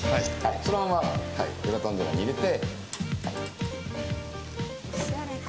そのままグラタン皿に入れて。